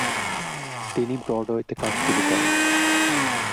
তিনি ব্রডওয়েতে কাজ শুরু করেন।